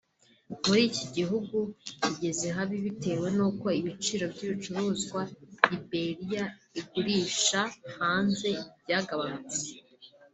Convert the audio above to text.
muri iki gihugu kigeze habi bitewe nuko ibiciro by'ibicuruzwa Liberia igurisha hanze byagabanutse